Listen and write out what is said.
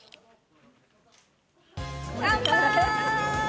乾杯！